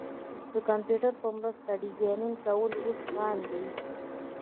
د کمپیوټر په مرسته ډیزاین کول اوس عام دي.